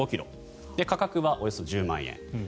価格はおよそ１０万円。